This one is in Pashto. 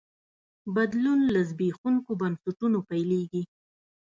بدلون له زبېښونکو بنسټونو پیلېږي.